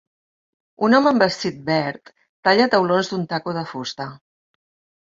Un home amb vestit verd talla taulons d'un taco de fusta